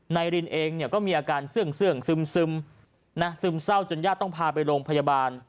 นายลินเองก็มีอาการเสื่องสึมเอาจนย่าต้องพาไปโรงพยาบาล